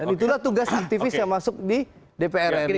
dan itulah tugas aktivis yang masuk di dprr ini